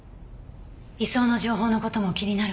移送の情報の事も気になるわね。